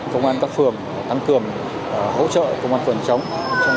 công an các phường tăng cường hỗ trợ công an phường chống